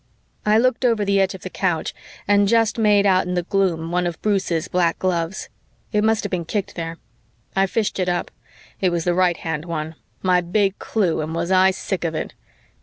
I looked over the edge of the couch and just made out in the gloom one of Bruce's black gloves. It must have been kicked there. I fished it up. It was the right hand one. My big clue, and was I sick of it!